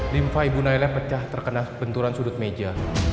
limfa ibu nayla pecah terkena benturan sudut meja